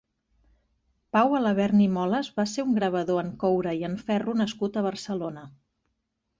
Pau Alabern i Moles va ser un gravador en coure i en ferro nascut a Barcelona.